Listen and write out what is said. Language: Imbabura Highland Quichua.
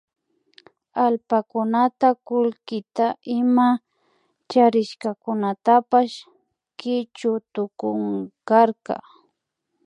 Allpakunata kullkita ima charishkakunatapash kichuy tukunkarka